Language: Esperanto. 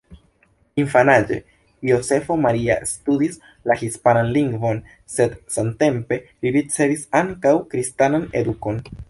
Infanaĝe Jozefo Maria studis la hispanan lingvon, sed samtempe li ricevis ankaŭ kristanan edukon.